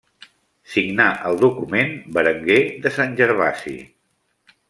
Signà el document Berenguer de Sant Gervasi.